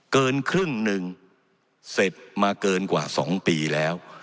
เกินครึ่งหนึ่งเสร็จมาเกินกว่า๒ปีแล้ว